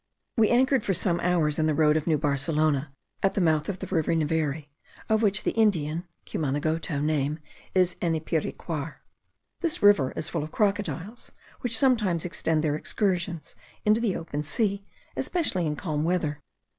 We anchored for some hours in the road of New Barcelona, at the mouth of the river Neveri, of which the Indian (Cumanagoto) name is Enipiricuar. This river is full of crocodiles, which sometimes extend their excursions into the open sea, especially in calm weather.